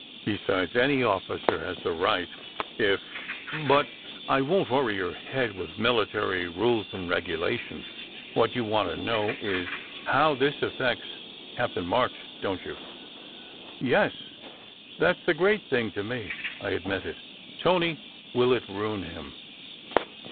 Besides any officer has the right, if but I won t worry your head 138 SECRET HISTORY with military rules and regulations! What you want to know is, how this affects Captain March, don t you?" " Yes, that s the great thing to me," I admitted. " Tony, will it ruin him?